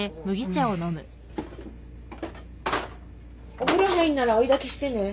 お風呂入るなら追いだきしてね。